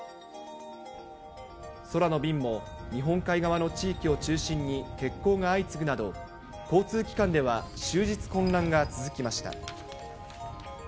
空の便も、日本海側の地域を中心に欠航が相次ぐなど、交通機関では終日混乱が続きました。